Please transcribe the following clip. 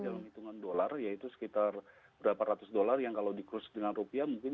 dalam hitungan dollar yaitu sekitar berapa ratus dollar yang kalau dikursi dengan rupiah mungkin